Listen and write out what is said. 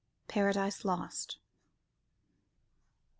(Paradise Lost).